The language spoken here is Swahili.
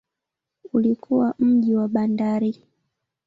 Ulikuwa mji wa bandari.